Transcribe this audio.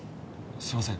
すいません。